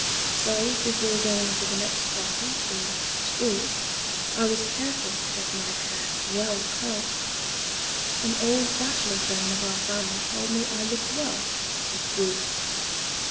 So before going to the next party or 'spree,' I was careful to get my hair well curled. An old bachelor friend of our family told me I looked well. (The brute!)